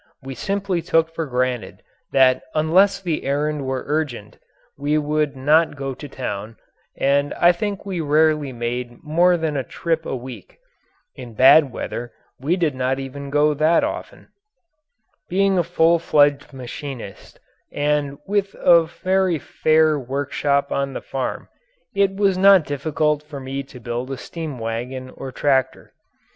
We simply took for granted that unless the errand were urgent we would not go to town, and I think we rarely made more than a trip a week. In bad weather we did not go even that often. Being a full fledged machinist and with a very fair workshop on the farm it was not difficult for me to build a steam wagon or tractor.